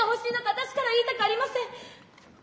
私からは言いたくありません。